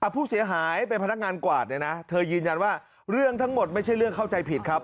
ผู้เสียหายเป็นพนักงานกวาดเนี่ยนะเธอยืนยันว่าเรื่องทั้งหมดไม่ใช่เรื่องเข้าใจผิดครับ